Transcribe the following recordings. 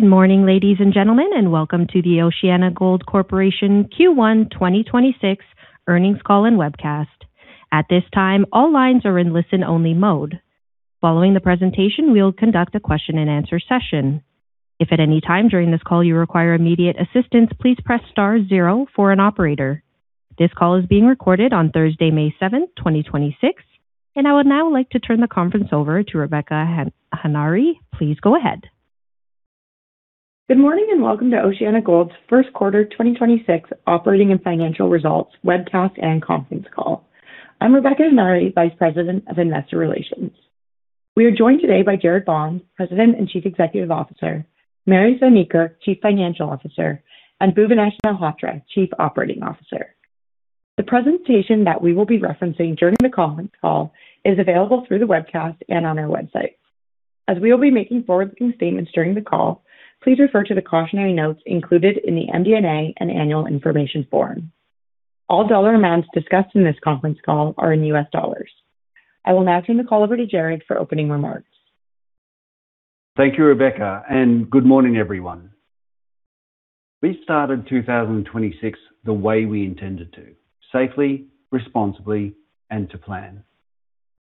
Good morning, ladies and gentlemen, and welcome to the OceanaGold Corporation Q1 2026 Earnings Call and Webcast. At this time, all lines are in listen-only mode. Following the presentation, we'll conduct a question and answer session. If at any time during this call you require immediate assistance, please press star zero for an operator. This call is being recorded on Thursday, May 7th, 2026. I would now like to turn the conference over to Rebecca Henare. Please go ahead. Good morning, and welcome to OceanaGold's first quarter 2026 operating and financial results webcast and conference call. I'm Rebecca Henare, Vice President of Investor Relations. We are joined today by Gerard Bond, President and Chief Executive Officer, Marius van Niekerk, Chief Financial Officer, and Bhuvanesh Malhotra, Chief Operating Officer. The presentation that we will be referencing during the conference call is available through the webcast and on our website. As we will be making forward-looking statements during the call, please refer to the cautionary notes included in the MD&A and annual information form. All dollar amounts discussed in this conference call are in U.S. dollars. I will now turn the call over to Gerard for opening remarks. Thank you, Rebecca, and good morning, everyone. We started 2026 the way we intended to: safely, responsibly, and to plan.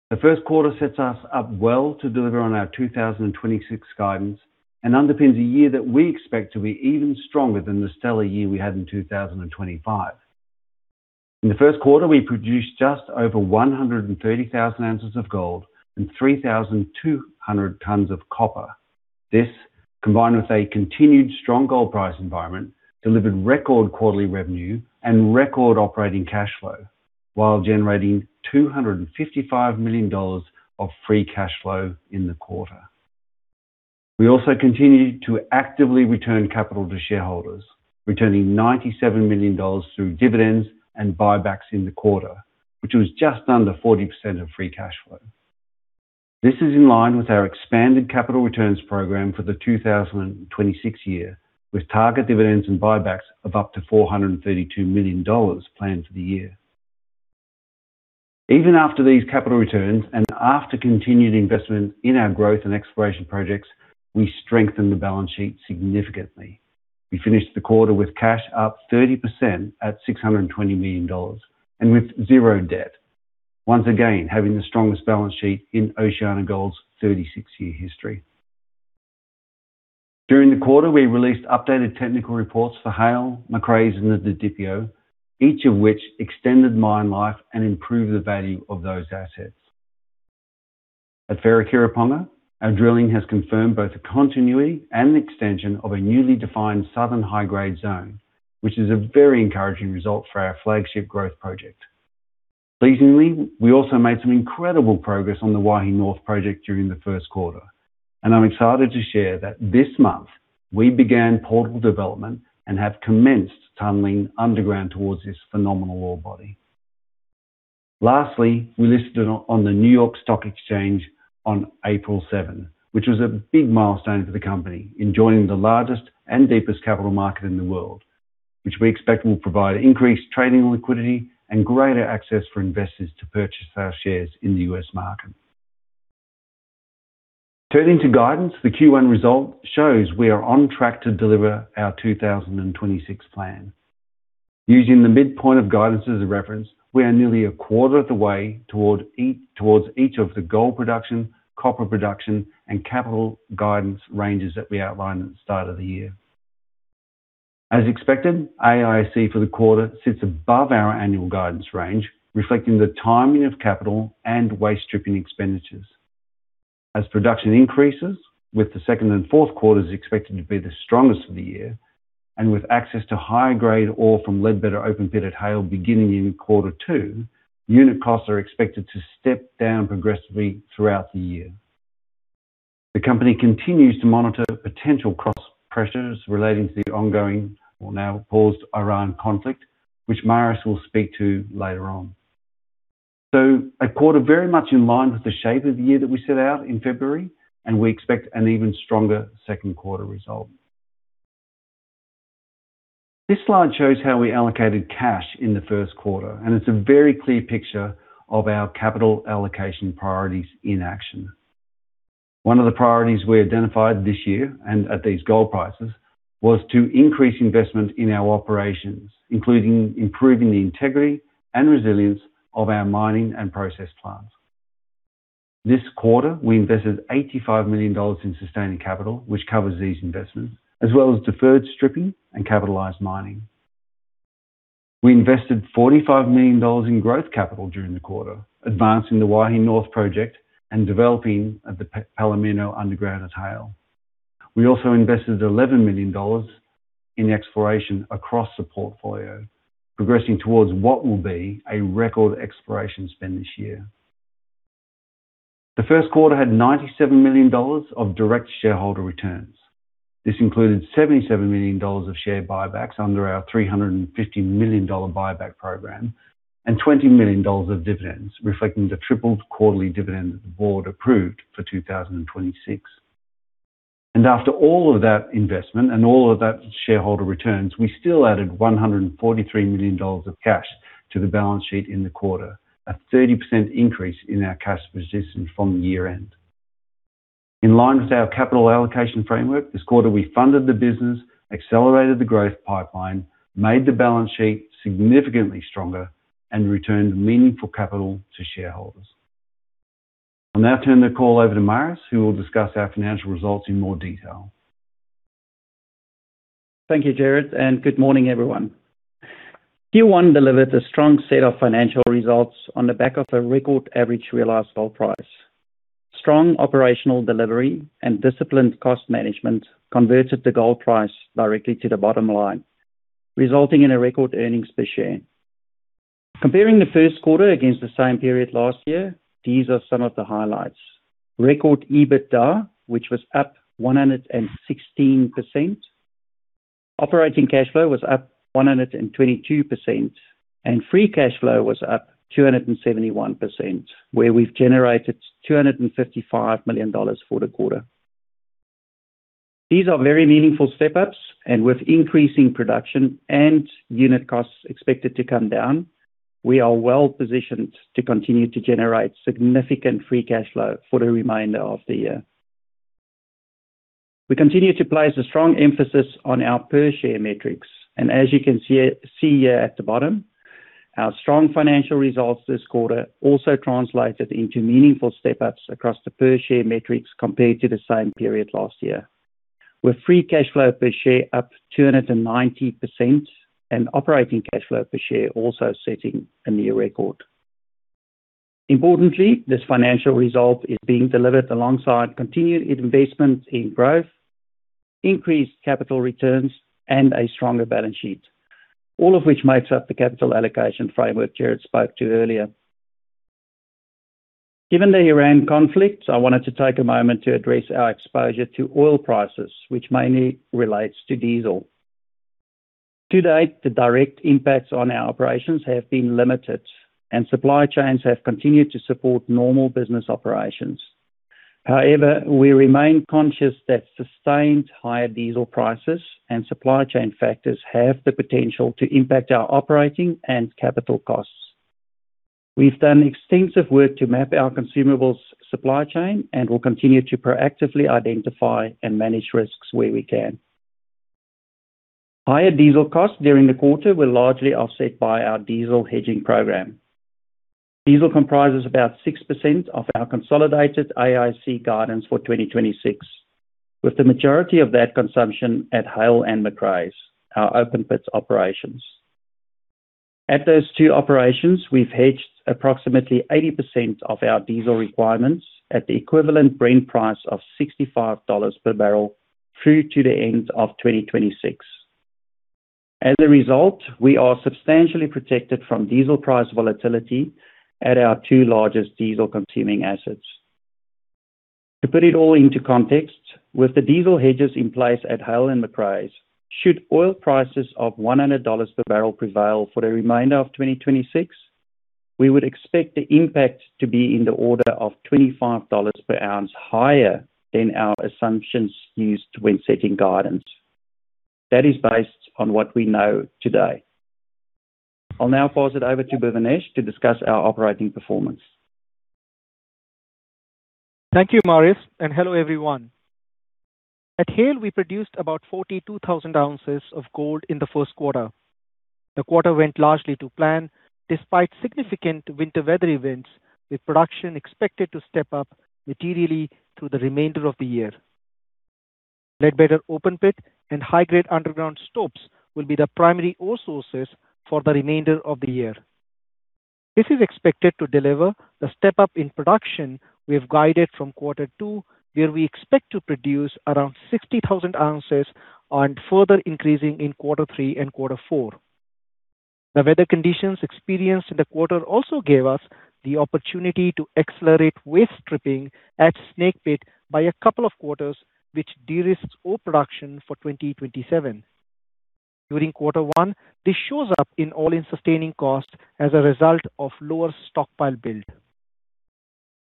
The first quarter sets us up well to deliver on our 2026 guidance and underpins a year that we expect to be even stronger than the stellar year we had in 2025. In the first quarter, we produced just over 130,000 ounces of gold and 3,200 tons of copper. This, combined with a continued strong gold price environment, delivered record quarterly revenue and record operating cash flow while generating $255 million of free cash flow in the quarter. We also continued to actively return capital to shareholders, returning $97 million through dividends and buybacks in the quarter, which was just under 40% of free cash flow. This is in line with our expanded capital returns program for the 2026 year, with target dividends and buybacks of up to $432 million planned for the year. Even after these capital returns and after continued investment in our growth and exploration projects, we strengthened the balance sheet significantly. We finished the quarter with cash up 30% at $620 million and with zero debt, once again having the strongest balance sheet in OceanaGold's 36-year history. During the quarter, we released updated technical reports for Haile, Macraes, and Didipio, each of which extended mine life and improved the value of those assets. At Wharekirauponga, our drilling has confirmed both the continuity and extension of a newly defined southern high-grade zone, which is a very encouraging result for our flagship growth project. Pleasingly, we also made some incredible progress on the Waihi North Project during the first quarter, and I'm excited to share that this month we began portal development and have commenced tunneling underground towards this phenomenal ore body. Lastly, we listed on the New York Stock Exchange on April 7, which was a big milestone for the company in joining the largest and deepest capital market in the world, which we expect will provide increased trading liquidity and greater access for investors to purchase our shares in the U.S. market. Turning to guidance, the Q1 result shows we are on track to deliver our 2026 plan. Using the midpoint of guidance as a reference, we are nearly a quarter of the way towards each of the gold production, copper production, and capital guidance ranges that we outlined at the start of the year. As expected, AISC for the quarter sits above our annual guidance range, reflecting the timing of capital and waste stripping expenditures. As production increases, with the second and fourth quarters expected to be the strongest of the year, and with access to high-grade ore from Ledbetter open pit at Haile beginning in quarter two, unit costs are expected to step down progressively throughout the year. The company continues to monitor potential cost pressures relating to the ongoing, well now paused, Iran conflict, which Marius will speak to later on. A quarter very much in line with the shape of the year that we set out in February, and we expect an even stronger second quarter result. This slide shows how we allocated cash in the first quarter, and it's a very clear picture of our capital allocation priorities in action. One of the priorities we identified this year and at these gold prices was to increase investment in our operations, including improving the integrity and resilience of our mining and process plants. This quarter, we invested $85 million in sustaining capital, which covers these investments, as well as deferred stripping and capitalized mining. We invested $45 million in growth capital during the quarter, advancing the Waihi North Project and developing at the Palomino Underground at Haile. We also invested $11 million in exploration across the portfolio, progressing towards what will be a record exploration spend this year. The first quarter had $97 million of direct shareholder returns. This included $77 million of share buybacks under our $350 million buyback program and $20 million of dividends, reflecting the tripled quarterly dividend that the board approved for 2026. After all of that investment and all of that shareholder returns, we still added $143 million of cash to the balance sheet in the quarter, a 30% increase in our cash position from year-end. In line with our capital allocation framework, this quarter we funded the business, accelerated the growth pipeline, made the balance sheet significantly stronger, and returned meaningful capital to shareholders. I'll now turn the call over to Marius, who will discuss our financial results in more detail. Thank you, Gerard, and good morning everyone. Q1 delivered a strong set of financial results on the back of a record average realized gold price. Strong operational delivery and disciplined cost management converted the gold price directly to the bottom line, resulting in a record earnings per share. Comparing the first quarter against the same period last year, these are some of the highlights: Record EBITDA, which was up 116%. Operating cash flow was up 122%. Free cash flow was up 271%, where we've generated $255 million for the quarter. These are very meaningful step-ups, and with increasing production and unit costs expected to come down, we are well-positioned to continue to generate significant free cash flow for the remainder of the year. We continue to place a strong emphasis on our per share metrics. As you can see here at the bottom, our strong financial results this quarter also translated into meaningful step-ups across the per share metrics compared to the same period last year. With free cash flow per share up 290% and operating cash flow per share also setting a new record. Importantly, this financial result is being delivered alongside continued investment in growth, increased capital returns, and a stronger balance sheet, all of which makes up the capital allocation framework Gerard spoke to earlier. Given the Iran conflict, I wanted to take a moment to address our exposure to oil prices, which mainly relates to diesel. To date, the direct impacts on our operations have been limited, and supply chains have continued to support normal business operations. However, we remain conscious that sustained higher diesel prices and supply chain factors have the potential to impact our operating and capital costs. We've done extensive work to map our consumables supply chain, and we'll continue to proactively identify and manage risks where we can. Higher diesel costs during the quarter were largely offset by our diesel hedging program. Diesel comprises about 6% of our consolidated AIC guidance for 2026, with the majority of that consumption at Haile and Macraes, our open pits operations. At those two operations, we've hedged approximately 80% of our diesel requirements at the equivalent Brent price of $65 per barrel through to the end of 2026. As a result, we are substantially protected from diesel price volatility at our two largest diesel-consuming assets. To put it all into context, with the diesel hedges in place at Haile and Macraes, should oil prices of $100 per barrel prevail for the remainder of 2026, we would expect the impact to be in the order of $25 per ounce higher than our assumptions used when setting guidance. That is based on what we know today. I'll now pass it over to Bhuvanesh to discuss our operating performance. Thank you Marius and hello everyone. At Haile, we produced about 42,000 ounces of gold in the first quarter. The quarter went largely to plan despite significant winter weather events, with production expected to step up materially through the remainder of the year. Ledbetter open pit and high-grade underground stopes will be the primary ore sources for the remainder of the year. This is expected to deliver the step-up in production we have guided from quarter two, where we expect to produce around 60,000 ounces and further increasing in quarter three and quarter four. The weather conditions experienced in the quarter also gave us the opportunity to accelerate waste stripping at Snake Pit by a couple of quarters, which de-risks ore production for 2027. During quarter one, this shows up in AISC as a result of lower stockpile build.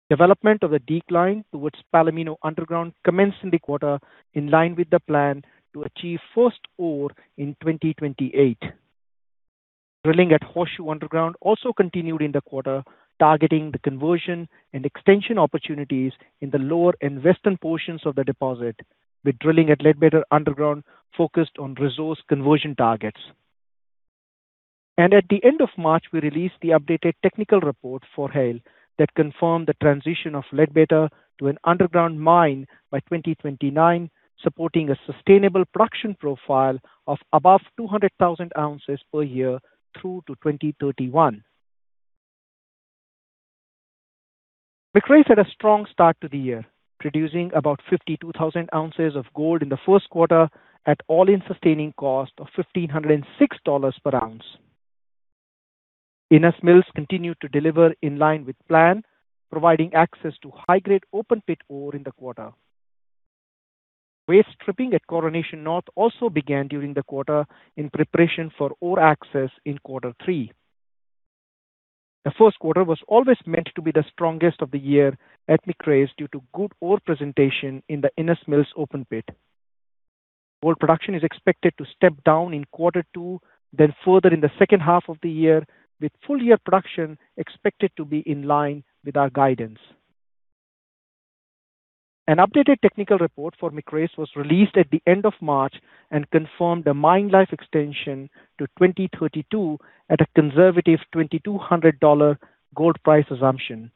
Development of the decline towards Palomino Underground commenced in the quarter, in line with the plan to achieve first ore in 2028. Drilling at Horseshoe Underground also continued in the quarter, targeting the resource conversion and extension opportunities in the lower and western portions of the deposit, with drilling at Ledbetter Underground focused on resource conversion targets. At the end of March, we released the updated technical report for Haile that confirmed the transition of Ledbetter to an underground mine by 2029, supporting a sustainable production profile of above 200,000 ounces per year through to 2031. Macraes had a strong start to the year, producing about 52,000 ounces of gold in the first quarter at All-in Sustaining Cost of $1,506 per ounce. Innes Mills continued to deliver in line with plan, providing access to high-grade open pit ore in the quarter. Waste stripping at Coronation North also began during the quarter in preparation for ore access in quarter three. The first quarter was always meant to be the strongest of the year at Macraes due to good ore presentation in the Innes Mills open pit. Gold production is expected to step down in quarter two, then further in the second half of the year, with full year production expected to be in line with our guidance. An updated technical report for Macraes was released at the end of March and confirmed a mine life extension to 2032 at a conservative $2,200 gold price assumption.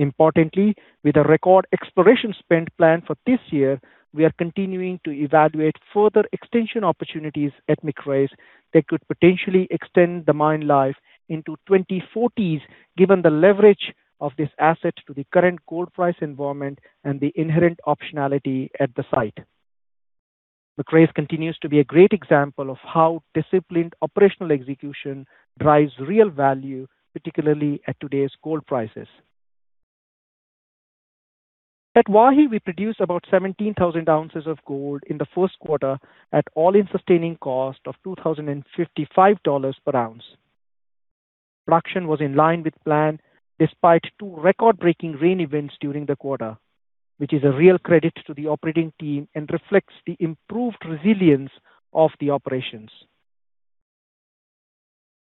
Importantly, with a record exploration spend plan for this year, we are continuing to evaluate further extension opportunities at Macraes that could potentially extend the mine life into 2040s, given the leverage of this asset to the current gold price environment and the inherent optionality at the site. Macraes continues to be a great example of how disciplined operational execution drives real value, particularly at today's gold prices. Waihi, we produced about 17,000 ounces of gold in the first quarter at All-in Sustaining Cost of $2,055 per ounce. Production was in line with plan despite two record-breaking rain events during the quarter, which is a real credit to the operating team and reflects the improved resilience of the operations.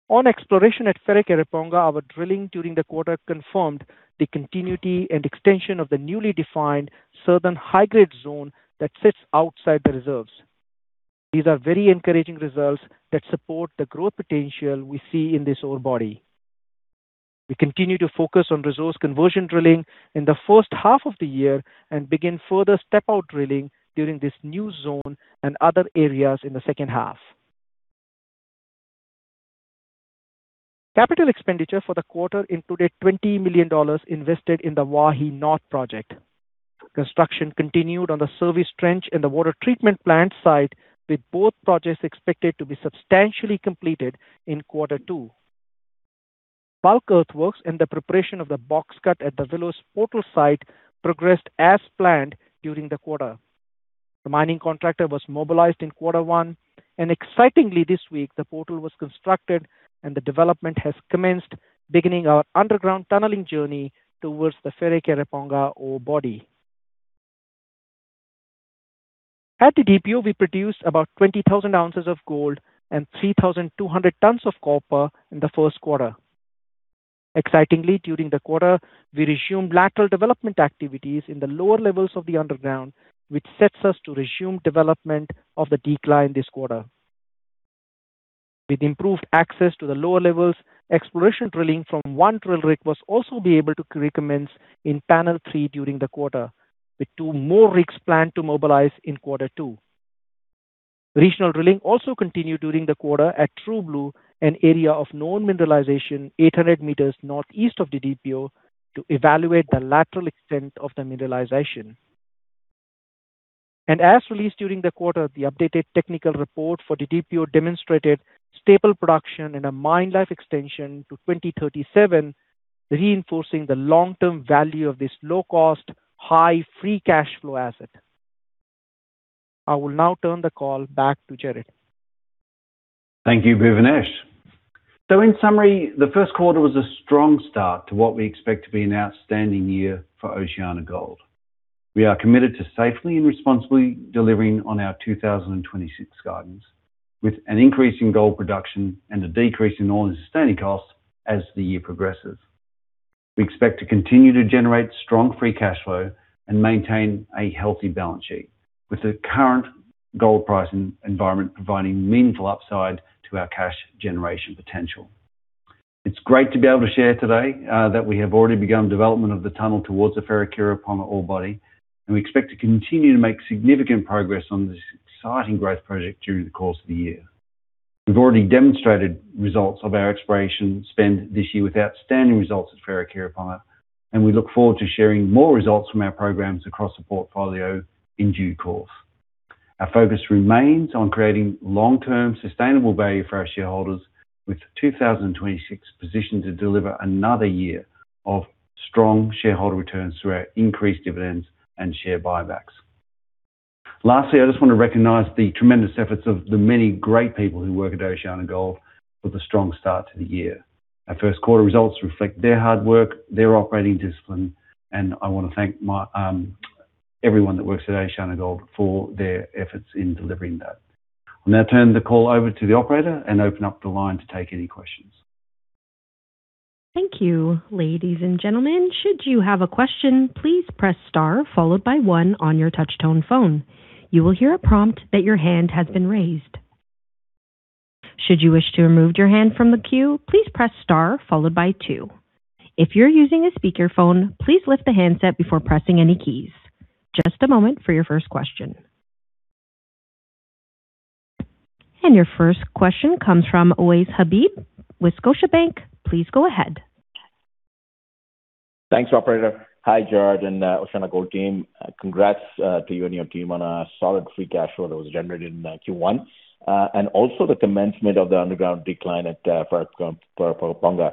On exploration at Wharekirauponga, our drilling during the quarter confirmed the continuity and extension of the newly defined southern high-grade zone that sits outside the reserves. These are very encouraging results that support the growth potential we see in this ore body. We continue to focus on resource conversion drilling in the first half of the year and begin further step-out drilling during this new zone and other areas in the second half. Capital expenditure for the quarter included $20 million invested in the Waihi North project. Construction continued on the service trench and the water treatment plant site, with both projects expected to be substantially completed in quarter two. Bulk earthworks and the preparation of the box cut at the Willows portal site progressed as planned during the quarter. The mining contractor was mobilized in quarter one, and excitingly this week, the portal was constructed and the development has commenced, beginning our underground tunneling journey towards the Wharekirauponga ore body. At the Didipio, we produced about 20,000 ounces of gold and 3,200 tons of copper in the first quarter. Excitingly, during the quarter, we resumed lateral development activities in the lower levels of the underground, which sets us to resume development of the decline this quarter. With improved access to the lower levels, exploration drilling from one drill rig was also be able to recommence in panel three during the quarter, with two more rigs planned to mobilize in quarter two. Regional drilling also continued during the quarter at True Blue, an area of known mineralization 800 meters northeast of the Didipio to evaluate the lateral extent of the mineralization. As released during the quarter, the updated technical report for the Didipio demonstrated stable production and a mine life extension to 2037, reinforcing the long-term value of this low-cost, high free cash flow asset. I will now turn the call back to Gerard. Thank you, Bhuvanesh. In summary, the first quarter was a strong start to what we expect to be an outstanding year for OceanaGold. We are committed to safely and responsibly delivering on our 2026 guidance, with an increase in gold production and a decrease in All-in Sustaining Costs as the year progresses. We expect to continue to generate strong free cash flow and maintain a healthy balance sheet, with the current gold pricing environment providing meaningful upside to our cash generation potential. It's great to be able to share today that we have already begun development of the tunnel towards the Wharekirauponga ore body, and we expect to continue to make significant progress on this exciting growth project during the course of the year. We've already demonstrated results of our exploration spend this year with outstanding results at Wharekirauponga, and we look forward to sharing more results from our programs across the portfolio in due course. Our focus remains on creating long-term sustainable value for our shareholders, with 2026 positioned to deliver another year of strong shareholder returns through our increased dividends and share buybacks. Lastly, I just want to recognize the tremendous efforts of the many great people who work at OceanaGold for the strong start to the year. Our first quarter results reflect their hard work, their operating discipline, and I want to thank my everyone that works at OceanaGold for their efforts in delivering that. I'll now turn the call over to the operator and open up the line to take any questions. Thank you ladies and gentlemen, should you have a question, please press star, followed by one on you touch tone phone. You will hear a prompt that you hand has been raise. Should you wish to move your hand from the queue, please press star, followed by two. If your using a speaker phone, please let the hand set before pressing any key. Just the moment for the first question. Your first question comes from Ovais Habib with Scotiabank. Please go ahead. Thanks, operator. Hi, Gerard and OceanaGold team. Congrats to you and your team on a solid free cash flow that was generated in Q1 and also the commencement of the underground decline at Wharekirauponga.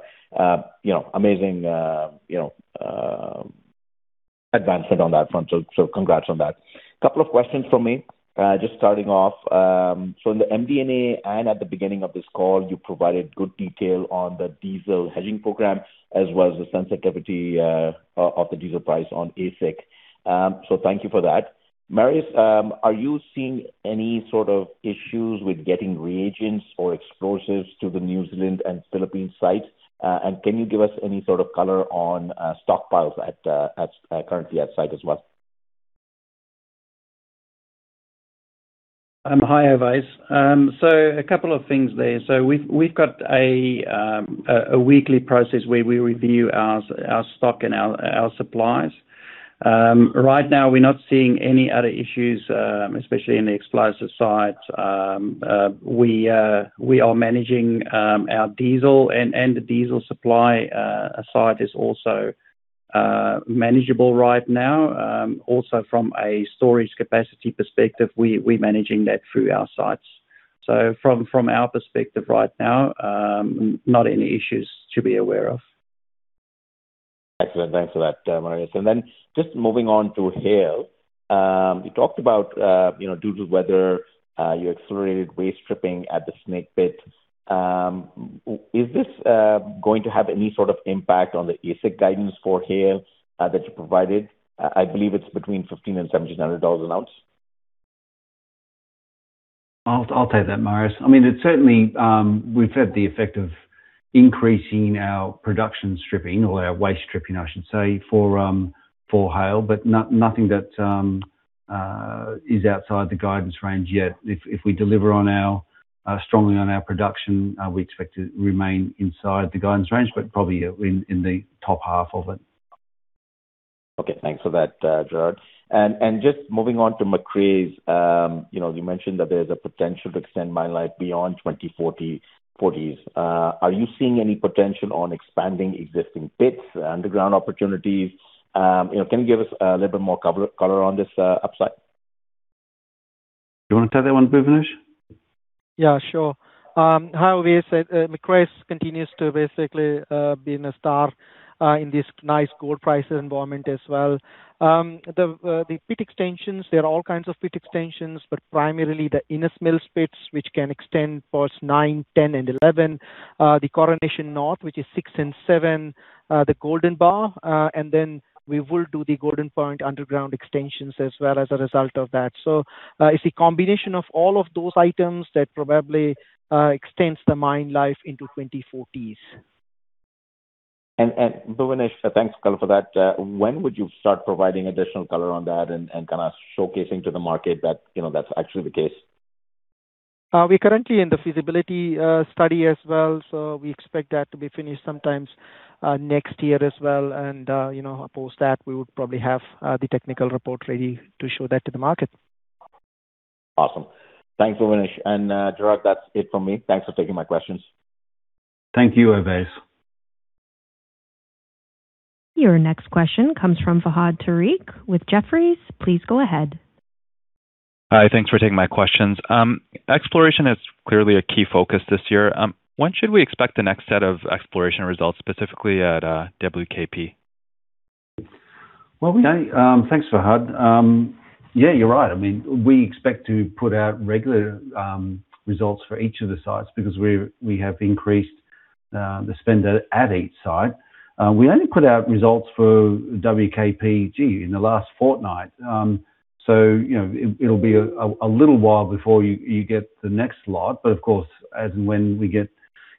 you know, amazing, you know, advancement on that front. congrats on that. Couple of questions from me. Just starting off, in the MD&A and at the beginning of this call, you provided good detail on the diesel hedging program, as well as the sensitivity of the diesel price on AISC. Thank you for that. Marius, are you seeing any sort of issues with getting reagents or explosives to the New Zealand and Philippines sites? Can you give us any sort of color on stockpiles at currently at site as well? Hi, Ovais. A couple of things there. We've got a weekly process where we review our stock and our supplies. Right now we're not seeing any other issues, especially in the explosive sites. We are managing our diesel and the diesel supply site is also manageable right now. Also from a storage capacity perspective, we're managing that through our sites. From our perspective right now, not any issues to be aware of. Excellent. Thanks for that, Marius. Just moving on to Haile. You talked about, you know, due to weather, you accelerated waste stripping at the snake pit. Is this going to have any sort of impact on the AISC guidance for Haile that you provided? I believe it's between $1,500-$1,700 an ounce. I'll take that, Marius. I mean, it's certainly, we've had the effect of increasing our production stripping or our waste stripping, I should say, for Haile. Nothing that is outside the guidance range yet. If we deliver on our strongly on our production, we expect to remain inside the guidance range, but probably in the top half of it. Okay. Thanks for that, Gerard. Just moving on to Macraes. You know, you mentioned that there's a potential to extend mine life beyond 2040s. Are you seeing any potential on expanding existing pits, underground opportunities? You know, can you give us a little bit more color on this upside? You wanna take that one, Bhuvanesh? Yeah, sure. Hi, Ovais. Macraes continues to basically being a star in this nice gold price environment as well. The pit extensions, there are all kinds of pit extensions, but primarily the Innes Mills pits, which can extend for nine, 10, and 11. The Coronation North, which is six and seven, the Golden Bar. And then we will do the Golden Point underground extensions as well as a result of that. It's a combination of all of those items that probably extends the mine life into 2040s. Bhuvanesh, thanks a lot for that. When would you start providing additional color on that and kinda showcasing to the market that, you know, that's actually the case? We're currently in the feasibility study as well, so we expect that to be finished sometimes next year as well. You know, post that, we would probably have the technical report ready to show that to the market. Awesome. Thanks, Bhuvanesh. Gerard, that's it from me. Thanks for taking my questions. Thank you, Ovais. Your next question comes from Fahad Tariq with Jefferies. Please go ahead. Hi. Thanks for taking my questions. Exploration is clearly a key focus this year. When should we expect the next set of exploration results, specifically at WKP? Well, thanks, Fahad. Yeah, you're right. I mean, we expect to put out regular results for each of the sites because we have increased the spend at each site. We only put out results for WKP, gee, in the last fortnight. You know, it'll be a little while before you get the next lot. Of course, as and when we get,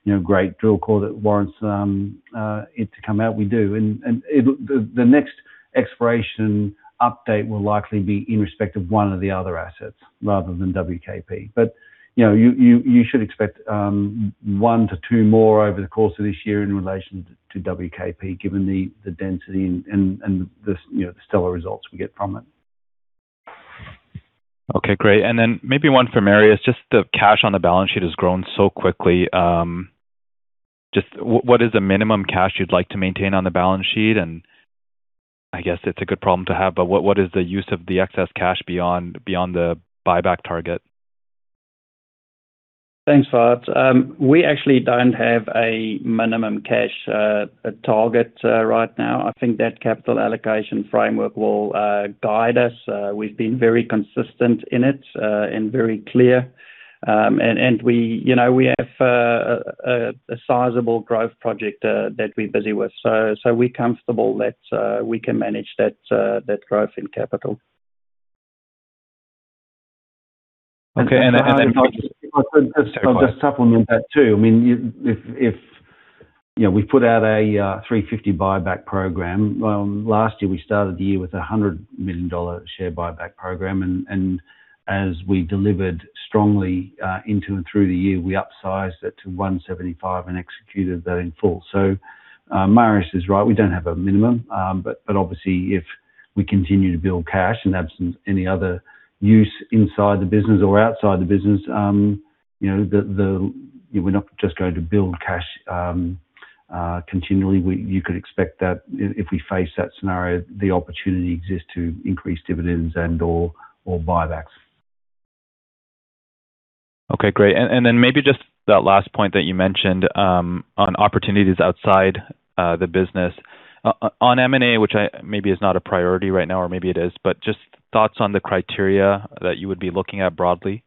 you know, great drill core that warrants it to come out, we do. The next exploration update will likely be in respect of one of the other assets rather than WKP. You know, you should expect one to two more over the course of this year in relation to WKP, given the density and this, you know, the stellar results we get from it. Okay, great. Maybe one for Marius, just the cash on the balance sheet has grown so quickly. Just what is the minimum cash you'd like to maintain on the balance sheet? I guess it's a good problem to have, but what is the use of the excess cash beyond the buyback target? Thanks, Fahad. We actually don't have a minimum cash target right now. I think that capital allocation framework will guide us. We've been very consistent in it and very clear. We, you know, we have a sizable growth project that we're busy with. We're comfortable that we can manage that growth in capital. Okay. I'll just supplement that too. If we put out a $350 buyback program. Last year, we started the year with a $100 million share buyback program, and as we delivered strongly into and through the year, we upsized it to $175 and executed that in full. Marius is right, we don't have a minimum. Obviously, if we continue to build cash and absent any other use inside the business or outside the business, we're not just going to build cash continually. You could expect that if we face that scenario, the opportunity exists to increase dividends and/or buybacks. Okay, great. Then maybe just that last point that you mentioned on opportunities outside the business. On M&A, which maybe is not a priority right now, or maybe it is, but just thoughts on the criteria that you would be looking at broadly?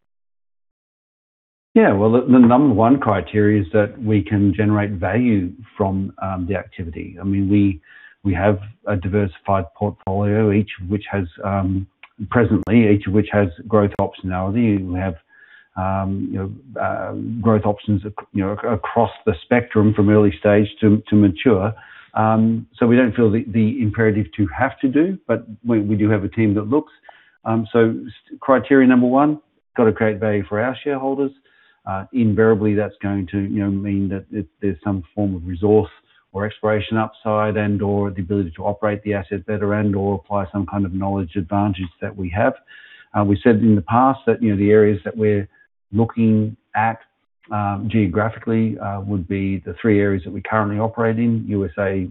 Yeah. The number one criteria is that we can generate value from the activity. I mean, we have a diversified portfolio, each of which has presently growth optionality. We have, you know, growth options across the spectrum from early stage to mature. We don't feel the imperative to have to do, but we do have a team that looks. Criteria number one, gotta create value for our shareholders. Invariably, that's going to, you know, mean that there's some form of resource or exploration upside and/or the ability to operate the asset better and/or apply some kind of knowledge advantage that we have. We said in the past that, you know, the areas that we're looking at, geographically, would be the three areas that we currently operate in: USA,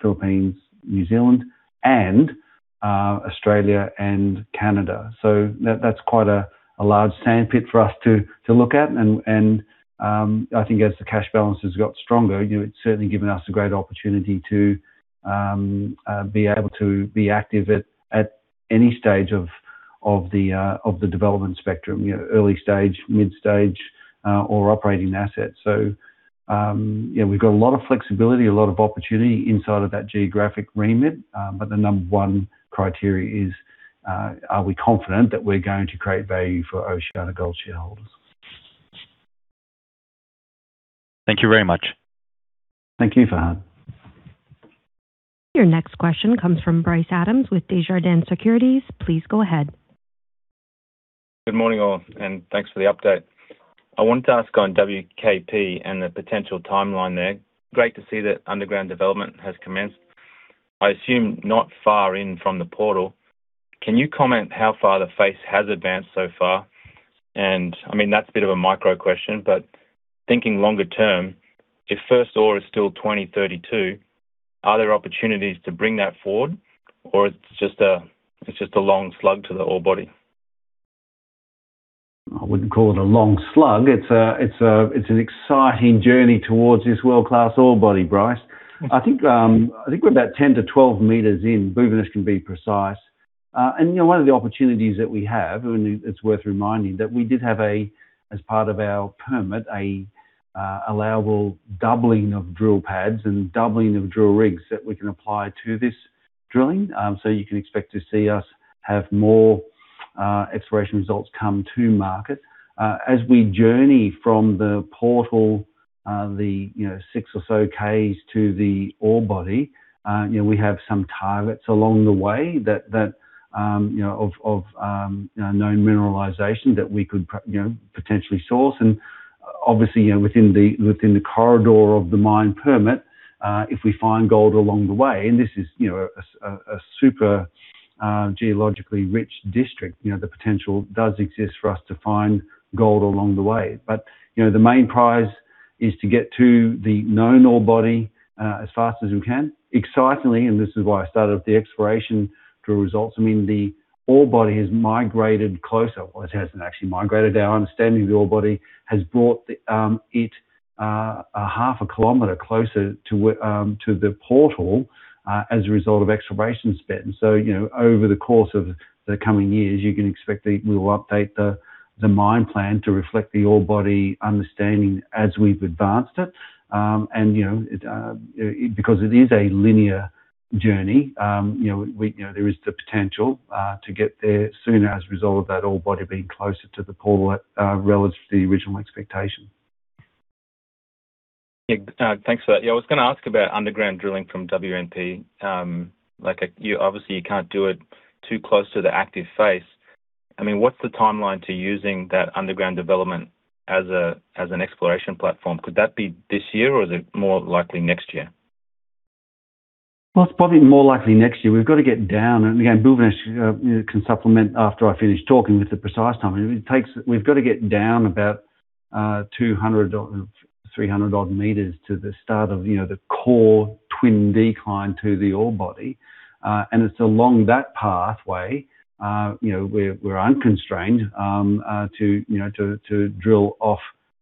Philippines, New Zealand, and Australia and Canada. That's quite a large sandpit for us to look at. I think as the cash balance has got stronger, you know, it's certainly given us a great opportunity to be able to be active at any stage of the development spectrum, you know, early stage, mid stage, or operating assets. Yeah, we've got a lot of flexibility, a lot of opportunity inside of that geographic remit. The number one criteria is, are we confident that we're going to create value for OceanaGold shareholders? Thank you very much. Thank you, Fahad. Your next question comes from Bryce Adams with Desjardins Securities. Please go ahead. Good morning, all, and thanks for the update. I want to ask on WKP and the potential timeline there. Great to see that underground development has commenced. I assume not far in from the portal. Can you comment how far the face has advanced so far? I mean, that's a bit of a micro question, but thinking longer term, if first ore is still 2032, are there opportunities to bring that forward or it's just a, it's just a long slug to the ore body? I wouldn't call it a long slug. It's an exciting journey towards this world-class ore body, Bryce. I think we're about 10 to 12 meters in. Bhuvanesh can be precise. You know, one of the opportunities that we have, and it's worth reminding, that we did have a, as part of our permit, a allowable doubling of drill pads and doubling of drill rigs that we can apply to this drilling. You can expect to see us have more exploration results come to market. As we journey from the portal, the, you know, six or so km to the ore body, you know, we have some targets along the way that, you know, of, you know, known mineralization that we could you know, potentially source. Obviously, you know, within the, within the corridor of the mine permit, if we find gold along the way, and this is, you know, a super geologically rich district, you know, the potential does exist for us to find gold along the way. You know, the main prize is to get to the known ore body as fast as we can. Excitingly, this is why I started with the exploration drill results, I mean, the ore body has migrated closer. Well, it hasn't actually migrated. Our understanding of the ore body has brought it a half a kilometer closer to the portal as a result of exploration spend. You know, over the course of the coming years, you can expect we will update the mine plan to reflect the ore body understanding as we've advanced it. You know, it because it is a linear journey, you know, we, there is the potential to get there sooner as a result of that ore body being closer to the portal relative to the original expectation. Yeah. Thanks for that. Yeah, I was gonna ask about underground drilling from WKP. Like, you obviously you can't do it too close to the active face. I mean, what's the timeline to using that underground development as a, as an exploration platform? Could that be this year or is it more likely next year? Well, it's probably more likely next year. We've got to get down. Again, Bhuvanesh, you know, can supplement after I finish talking with the precise time. We've got to get down about 200 odd, 300 odd meters to the start of, you know, the core twin decline to the ore body. It's along that pathway, you know, we're unconstrained to, you know, to drill off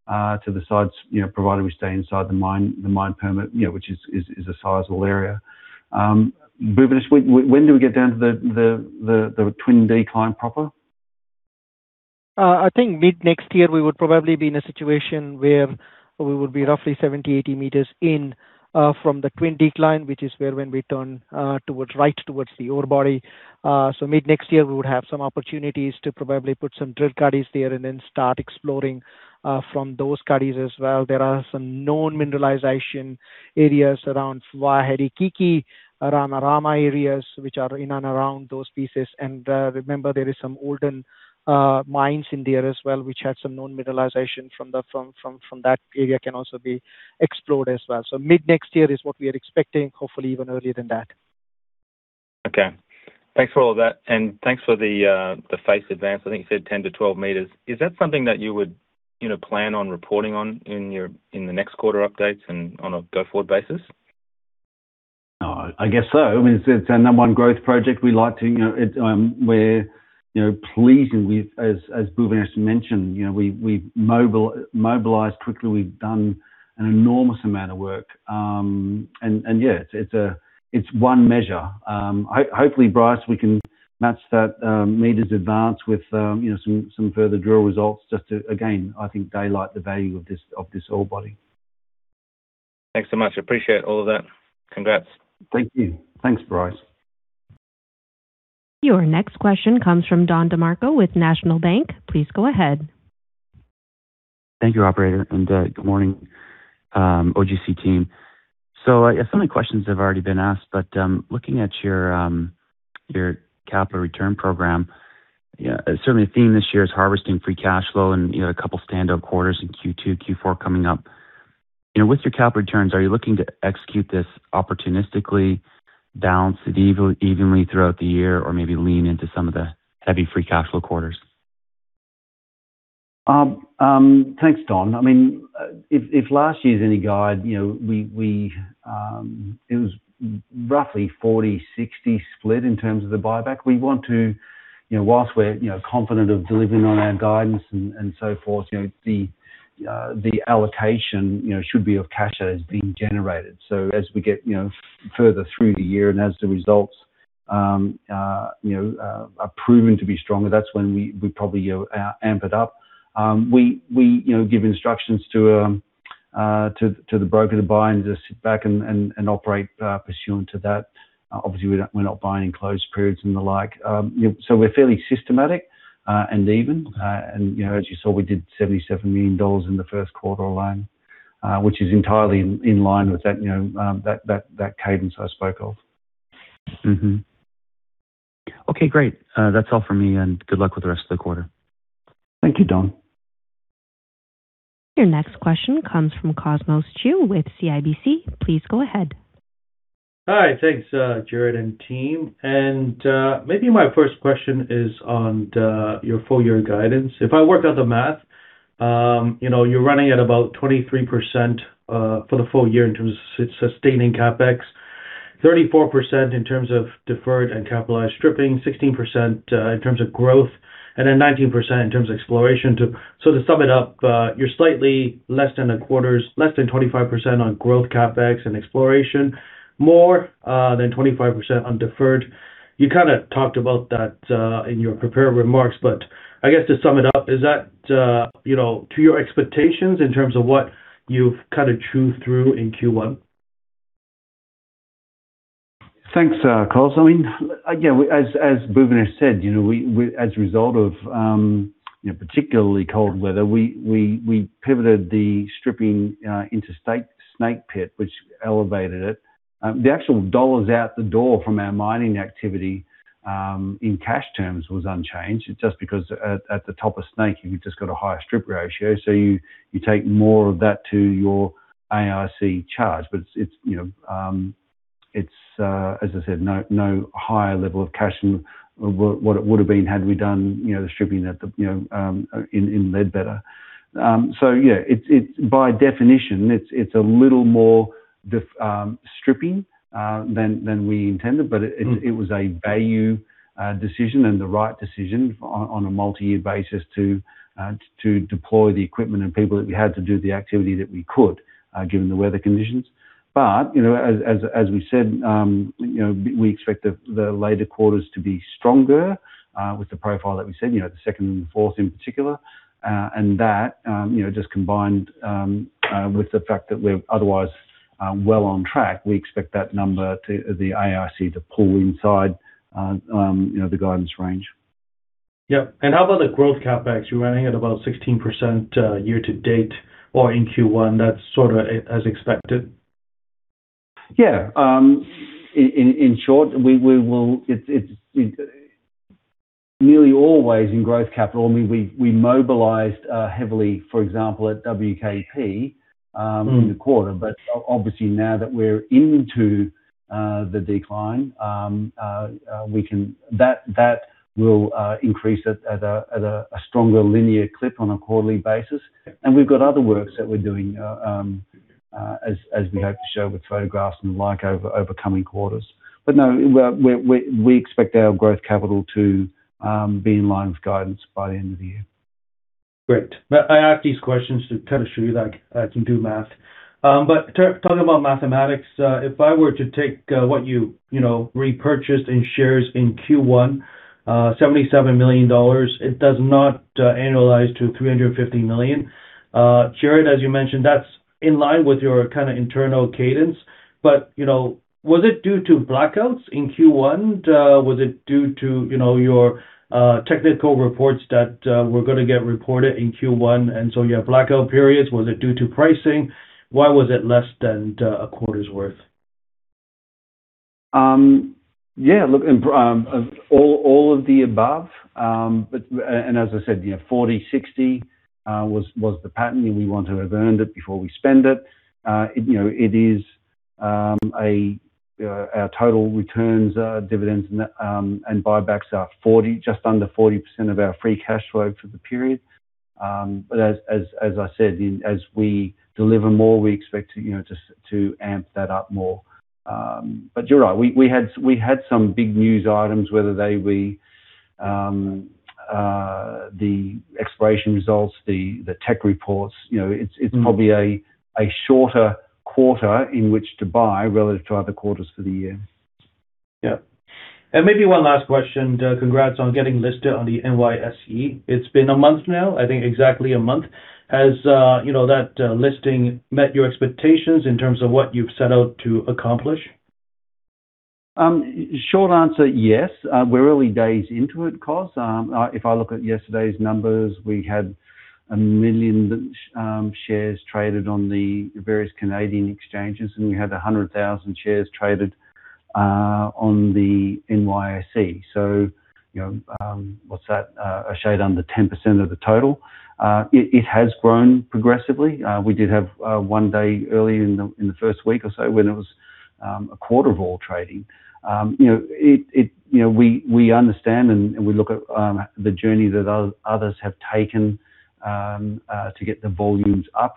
to the sides, you know, provided we stay inside the mine, the mine permit, you know, which is a sizable area. Bhuvanesh, when do we get down to the twin decline proper? I think mid-next year we would probably be in a situation where we would be roughly 70, 80 meters in from the twin decline, which is where when we turn right towards the ore body. Mid-next year we would have some opportunities to probably put some drill cuttings there and then start exploring from those cuttings as well. There are some known mineralization areas around Fuaherikiki, around Arama areas, which are in and around those pieces. Remember there is some olden mines in there as well, which had some known mineralization from that area can also be explored as well. Mid-next year is what we are expecting, hopefully even earlier than that. Okay. Thanks for all that. Thanks for the face advance. I think you said 10 to 12 meters. Is that something that you would, you know, plan on reporting on in your, in the next quarter updates and on a go-forward basis? I guess so. I mean, it's our number one growth project. We like to, you know, it, we're, you know, pleased. We've, as Bhuvanesh mentioned, you know, we mobilized quickly. We've done an enormous amount of work. Yeah, it's a, it's one measure. Hopefully, Bryce, we can match that meters advance with, you know, some further drill results just to, again, I think they like the value of this, of this ore body. Thanks so much. Appreciate all of that. Congrats. Thank you. Thanks, Bryce. Your next question comes from Don DeMarco with National Bank. Please go ahead. Thank you, operator. Good morning, OGC team. I guess some of the questions have already been asked, but looking at your capital return program, yeah, certainly the theme this year is harvesting free cash flow and, you know, a couple standup quarters in Q2, Q4 coming up. You know, with your capital returns, are you looking to execute this opportunistically, balance it evenly throughout the year, or maybe lean into some of the heavy free cash flow quarters? Thanks, Don. I mean, if last year's any guide, you know, we, it was roughly 40/60 split in terms of the buyback. We want to, you know, whilst we're, you know, confident of delivering on our guidance and so forth, you know, the allocation, you know, should be of cash that is being generated. As we get, you know, further through the year and as the results, you know, are proven to be stronger, that's when we probably, you know, amp it up. We, you know, give instructions to the broker to buy and just sit back and operate pursuant to that. Obviously, we're not buying in closed periods and the like. You know, we're fairly systematic and even. You know, as you saw, we did $77 million in the first quarter alone, which is entirely in line with that, you know, that cadence I spoke of. Okay, great. That's all for me, and good luck with the rest of the quarter. Thank you, Don. Your next question comes from Cosmos Chiu with CIBC. Please go ahead. Hi. Thanks, Gerard and team. Maybe my first question is on the, your full year guidance. If I work out the math, you know, you're running at about 23% for the full year in terms of sustaining CapEx, 34% in terms of deferred and capitalized stripping, 16% in terms of growth, and then 19% in terms of exploration too. To sum it up, you're slightly less than a quarter's, less than 25% on growth CapEx and exploration. More than 25% on deferred. You kinda talked about that in your prepared remarks, but I guess to sum it up, is that, you know, to your expectations in terms of what you've kinda chewed through in Q1? Thanks, Cos. Again, as Bhuvanesh said, we, as a result of particularly cold weather, we pivoted the stripping into State Snake pit, which elevated it. The actual dollars out the door from our mining activity in cash terms was unchanged. It's just because at the top of Snake, you've just got a higher strip ratio. You take more of that to your AIC charge. It's as I said, no higher level of cash than what it would've been had we done the stripping in Ledbetter. Yeah, it's by definition, it's a little more stripping than we intended. It was a value decision and the right decision on a multi-year basis to deploy the equipment and people that we had to do the activity that we could given the weather conditions. You know, as we said, you know, we expect the later quarters to be stronger with the profile that we set, you know, the second and fourth in particular. That, you know, just combined with the fact that we're otherwise well on track, we expect that number to, the AIC to pull inside, you know, the guidance range. Yep. How about the growth CapEx? You're running at about 16% year to date or in Q1. That's sorta as expected. Yeah. In short, it's nearly always in growth capital. I mean, we mobilized heavily, for example, at WKP. In the quarter. Obviously, now that we're into the decline, that will increase at a stronger linear clip on a quarterly basis. We've got other works that we're doing as we hope to show with photographs and the like over upcoming quarters. No, we expect our growth capital to be in line with guidance by the end of the year. Great. I ask these questions to kind of show you that I can do math. Talking about mathematics, if I were to take what you know, repurchased in shares in Q1, $77 million, it does not annualize to $350 million. Gerard, as you mentioned, that's in line with your kind of internal cadence. Was it due to blackouts in Q1? Was it due to, you know, your technical reports that were gonna get reported in Q1, and so you have blackout periods? Was it due to pricing? Why was it less than a quarter's worth? Yeah, look, all of the above. As I said, you know, 40/60 was the pattern. We want to have earned it before we spend it. You know, it is our total returns, dividends, buybacks are 40, just under 40% of our free cash flow for the period. As I said, as we deliver more, we expect to, you know, to amp that up more. You're right. We had some big news items, whether they be exploration results, tech reports, you know. probably a shorter quarter in which to buy relative to other quarters for the year. Yeah. Maybe one last question. Congrats on getting listed on the NYSE. It's been a month now, I think exactly a month. Has, you know, that listing met your expectations in terms of what you've set out to accomplish? Short answer, yes. We're early days into it, Cos. If I look at yesterday's numbers, we had million shares traded on the various Canadian exchanges, and we had 100,000 shares traded on the NYSE. You know, what's that? A shade under 10% of the total. It has grown progressively. We did have 1 day early in the, in the first week or so when it was a quarter of all trading. You know, it, you know, we understand and we look at the journey that others have taken to get the volumes up.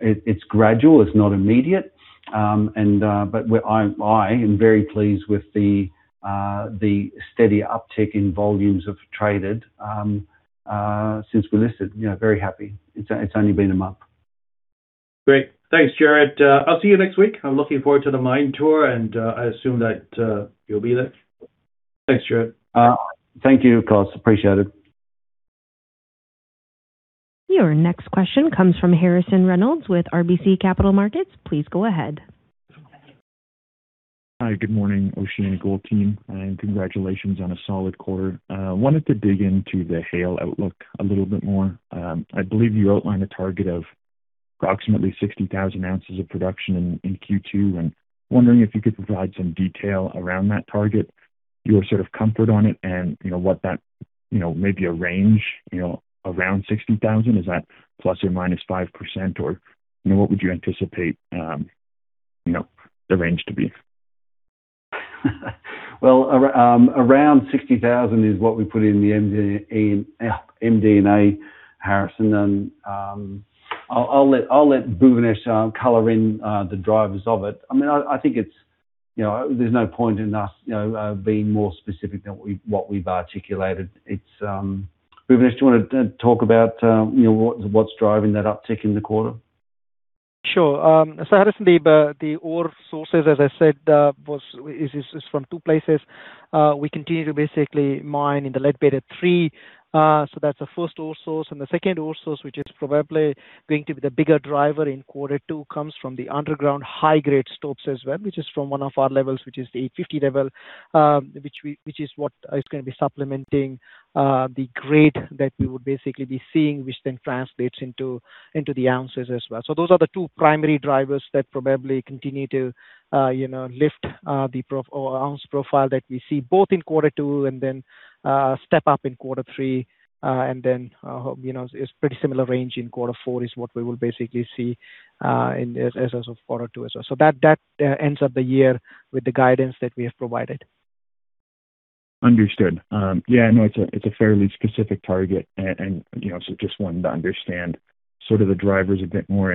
It's gradual. It's not immediate. I am very pleased with the steady uptick in volumes of traded since we listed. You know, very happy. It's only been a month. Great. Thanks, Gerard. I'll see you next week. I'm looking forward to the mine tour, and I assume that you'll be there. Thanks, Gerard. Thank you, Cosmos. Appreciate it. Your next question comes from Harrison Reynolds with RBC Capital Markets. Please go ahead. Hi. Good morning, OceanaGold team, and congratulations on a solid quarter. Wanted to dig into the Haile outlook a little bit more. I believe you outlined a target of approximately 60,000 ounces of production in Q2, and wondering if you could provide some detail around that target, your sort of comfort on it and, you know, what that, you know, maybe a range, you know, around 60,000. Is that plus or minus 5%, or, you know, what would you anticipate, you know, the range to be? Well, around $60,000 is what we put in the MD&A, Harrison. I'll let Bhuvanesh color in the drivers of it. I mean, I think it's, you know, there's no point in us, you know, being more specific than what we've articulated. It's Bhuvanesh, do you want to talk about, you know, what's driving that uptick in the quarter? Sure. So, Harrison Reynolds, the ore sources, as I said, was, is from two places. We continue to basically mine in the Ledbetter three, so that's the first ore source. The second ore source, which is probably going to be the bigger driver in quarter two, comes from the underground high-grade stopes as well, which is from one of our levels, which is the 850 level, which we, which is what is going to be supplementing, the grade that we would basically be seeing, which then translates into the ounces as well. Those are the two primary drivers that probably continue to, you know, lift the pro ore ounce profile that we see both in quarter two and then step up in quarter three, and then, you know, it's pretty similar range in quarter four is what we will basically see as of quarter two as well. That ends up the year with the guidance that we have provided. Understood. Yeah, I know it's a fairly specific target and, you know, just wanted to understand sort of the drivers a bit more.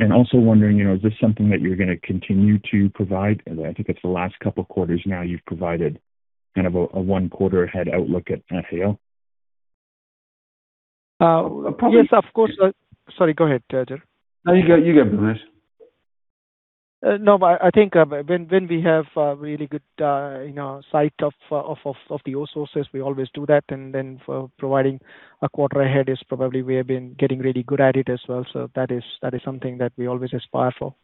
Also wondering, you know, is this something that you're gonna continue to provide? I think it's the last couple quarters now you've provided kind of a one-quarter ahead outlook at Haile. Uh, probably. Yes, of course. Sorry, go ahead, Gerard. No, you go, you go, Bhuvanesh. No, I think, when we have really good, you know, sight of the ore sources, we always do that. For providing a quarter ahead is probably we have been getting really good at it as well. That is, that is something that we always aspire for.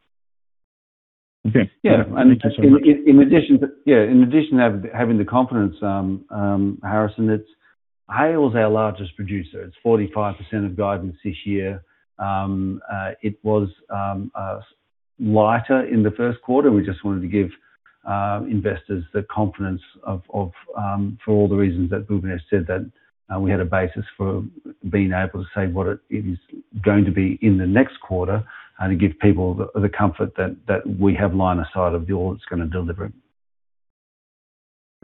Okay. Yeah. In addition to having the confidence, Harrison, Haile's our largest producer. It's 45% of guidance this year. It was lighter in the first quarter. We just wanted to give investors the confidence of for all the reasons that Bhuvanesh said that we had a basis for being able to say what it is going to be in the next quarter and to give people the comfort that we have line of sight of the ore that's going to deliver it.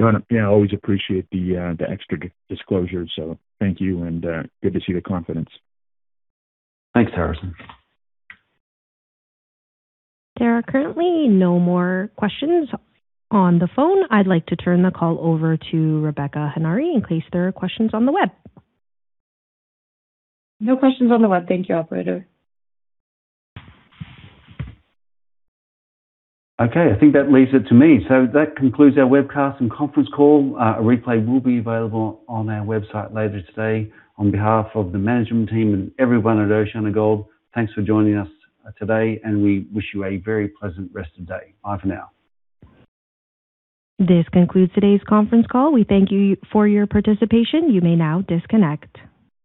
Got it. Yeah, I always appreciate the extra disclosure, so thank you and good to see the confidence. Thanks, Harrison. There are currently no more questions on the phone. I'd like to turn the call over to Rebecca Henare in case there are questions on the web. No questions on the web. Thank you, operator. Okay. I think that leaves it to me. That concludes our webcast and conference call. A replay will be available on our website later today. On behalf of the management team and everyone at OceanaGold, thanks for joining us today, and we wish you a very pleasant rest of day. Bye for now. This concludes today's conference call. We thank you for your participation. You may now disconnect.